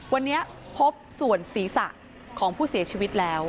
วันนี้พบส่วนศีรษะของผู้เสียชีวิตแล้ว